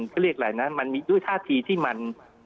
เขาเรียกอะไรนะมันมีด้วยท่าทีที่มัน